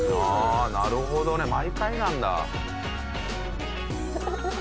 ああなるほどね毎回なんだ。